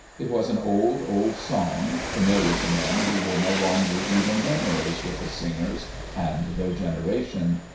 It was an old, old song, familiar to men who were no longer even memories with the singers and their generation.